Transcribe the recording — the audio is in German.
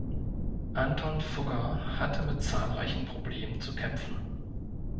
Anton Fugger hatte mit zahlreichen Problemen zu kämpfen.